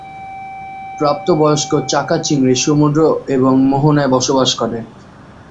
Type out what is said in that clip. প্রাপ্ত বয়স্ক চাকা চিংড়ি সমুদ্র এবং মোহনায় বসবাস করে।